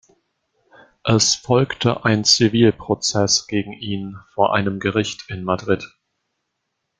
Es folgte ein Zivilprozess gegen ihn vor einem Gericht in Madrid.